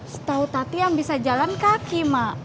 setau tadi yang bisa jalan kaki mak